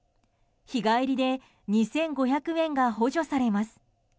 日帰りで２５００円が補助されます。